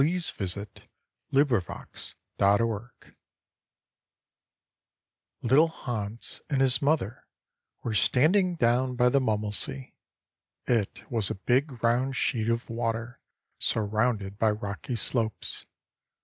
THE NIGHT OF THE STOLEN TREASURE Little Hans and his mother were standing down by the Mummelsee. It was a big round sheet of water, surrounded by rocky slopes.